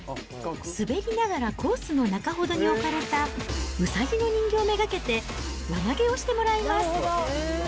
滑りながらコースの中ほどに置かれたウサギの人形目がけて、輪投げをしてもらいます。